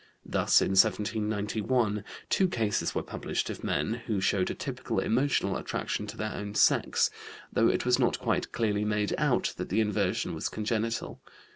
Thus, in 1791, two cases were published of men who showed a typical emotional attraction to their own sex, though it was not quite clearly made out that the inversion was congenital.